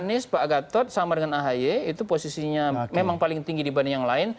anies pak gatot sama dengan ahy itu posisinya memang paling tinggi dibanding yang lain